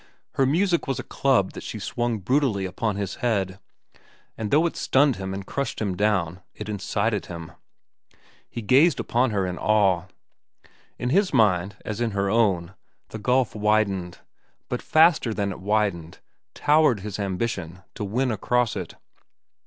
Her music was a club that she swung brutally upon his head; and though it stunned him and crushed him down, it incited him. He gazed upon her in awe. In his mind, as in her own, the gulf widened; but faster than it widened, towered his ambition to win across it.